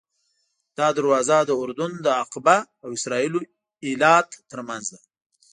دا دروازه د اردن د عقبه او اسرائیلو ایلات ترمنځ ده.